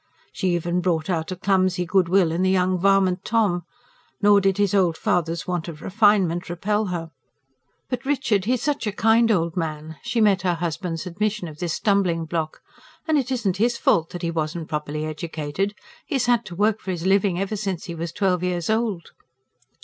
She even brought out a clumsy good will in the young varmint Tom; nor did his old father's want of refinement repel her. "But, Richard, he's such a kind old man," she met her husband's admission of this stumbling block. "And it isn't his fault that he wasn't properly educated. He has had to work for his living ever since he was twelve years old."